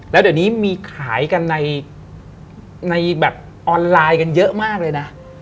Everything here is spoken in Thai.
แล้วเดี๋ยวนี้มีขายกันในแบบออนไลน์กันเยอะมากเลยนะ